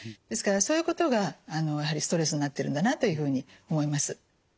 ですからそういうことがストレスになってるんだなというふうに思います。